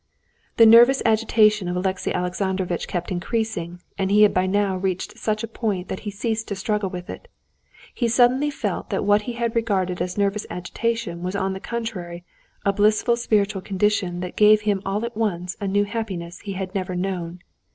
The nervous agitation of Alexey Alexandrovitch kept increasing, and had by now reached such a point that he ceased to struggle with it. He suddenly felt that what he had regarded as nervous agitation was on the contrary a blissful spiritual condition that gave him all at once a new happiness he had never known.